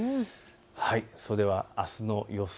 それではあすの予想